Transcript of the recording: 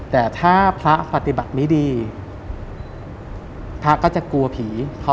แต่ถ้าพระปฏิบัติไม่ดีพระก็จะกลัวผี